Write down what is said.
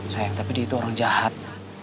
sayang tapi dia itu orang jahat